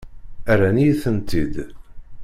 Rran-iyi-tent-id.